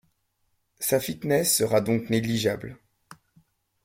Sa fitness sera donc négligeable.